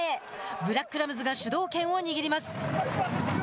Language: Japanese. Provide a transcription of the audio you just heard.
ブラックラムズが主導権を握ります。